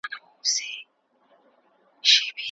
په لویه جرګه کي د ریښتیني ملي پیوستون له پاره څه هڅي کېږي؟